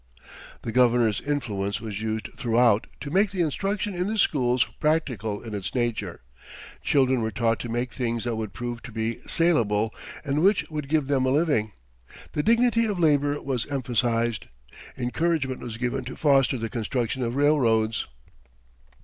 ] "The Governor's influence was used throughout to make the instruction in the schools practical in its nature; children were taught to make things that would prove to be salable and which would give them a living. The dignity of labour was emphasized. Encouragement was given to foster the construction of railroads.